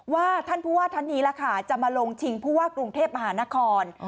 ว่าท่านผู้ว่าท่านนี้ล่ะค่ะจะมาลงชิงผู้ว่ากรุงเทพมหานคร